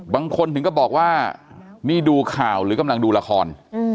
บางคนถึงก็บอกว่านี่ดูข่าวหรือกำลังดูละคร